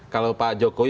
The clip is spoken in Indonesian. kalau pak jokowi